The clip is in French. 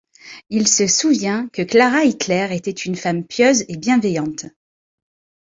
Il se souvient que Klara Hitler était une femme pieuse et bienveillante.